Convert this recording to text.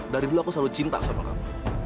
dari dulu aku selalu cinta sama kamu